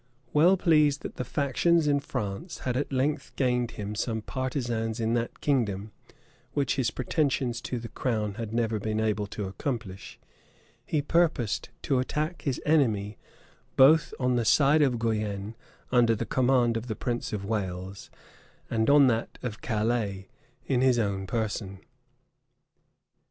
Well pleased that the factions in France had at length gained him some partisans in that kingdom, which his pretensions to the crown had never been able to accomplish, he purposed to attack his enemy both on the side of Guienne, under the command of the prince of Wales, and on that of Calais, in his own person.